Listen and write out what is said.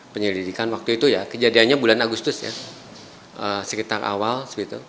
penyelidikan waktu itu ya kejadiannya bulan agustus ya sekitar awal